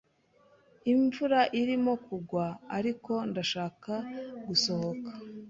Imvura irimo kugwa, ariko ndashaka gusohoka.